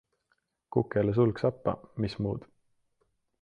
Kukele sulg sappa, mis muud!